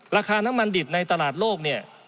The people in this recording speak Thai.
ราคาน้ำมันดิบในตลาดโลกเนี่ย